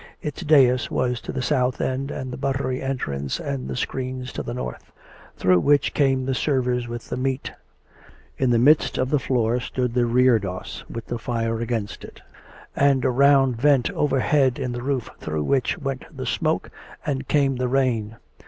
Its dais was to the south end, and the buttery entrance and the screens to the north, through which came the servers with the meat. In the midst of tTie floor stood the reredos with the fire against it, and a round vent over head in the roof through which went the smoke and came the rain.